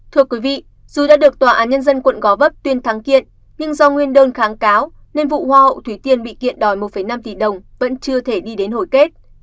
thưa quý vị dù đã được tòa án nhân dân quận gò vấp tuyên thắng kiện nhưng do nguyên đơn kháng cáo nên vụ hoa hậu thủy tiên bị kiện đòi một năm tỷ đồng vẫn chưa thể đi đến hồi kết